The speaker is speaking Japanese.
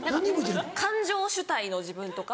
感情主体の自分とか。